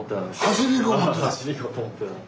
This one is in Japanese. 走り行こうと思ってた。